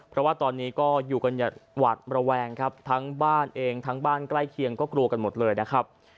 เพราะว่าตอนนี้ก็อยู่กันหวัดระแวงครับทั้งบ้านเองทั้งบ้านใกล้เคียงก็กลัวกันหมดเลยนะครับ